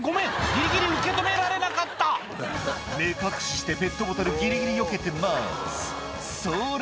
ギリギリ受け止められなかった「目隠ししてペットボトルギリギリよけてますそれ！」